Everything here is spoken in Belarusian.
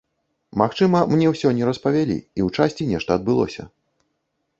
Магчыма, мне ўсё не распавялі, і ў часці нешта адбылося.